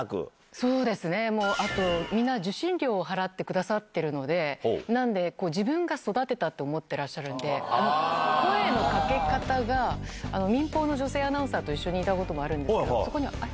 そうですね、あの、みんな受信料を払ってくださっているんで、なんで、自分が育てたと思ってらっしゃるんで、声のかけ方が民放の女性アナウンサーと一緒にいたこともあるんですが、そこに、あれ？